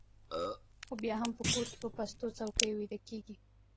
خو بیا هم په کور کې په پستو څوکیو ویده کېږي